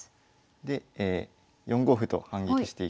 で４五歩と反撃していきますね。